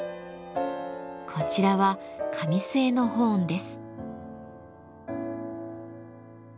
こちらは紙製のホーンです。